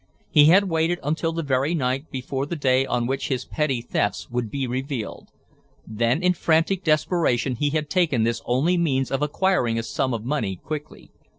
He had waited till the very night before the day on which his petty thefts would be revealed. Then in frantic desperation he had taken this only means of acquiring a sum of money quickly.